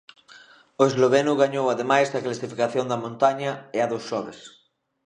O esloveno gañou ademais a clasificación da montaña e a dos xoves.